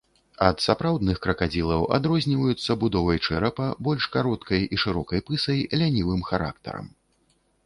Ад сапраўдных кракадзілаў адрозніваюцца будовай чэрапа, больш кароткай і шырокай пысай, лянівым характарам.